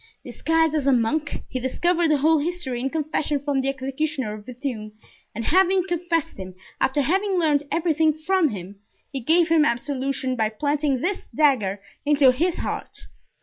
Disguised as a monk he discovered the whole history in confession from the executioner of Bethune, and having confessed him, after having learned everything from him, he gave him absolution by planting this dagger into his heart.